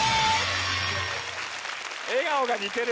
笑顔が似てる。